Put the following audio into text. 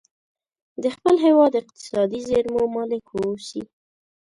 د خپل هیواد اقتصادي زیرمو مالک واوسي.